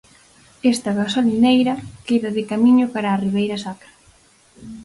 Esta gasolineira queda de camiño cara a Ribeira Sacra.